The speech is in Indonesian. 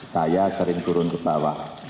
harus berjuang lagi